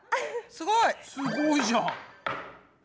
すごいじゃん！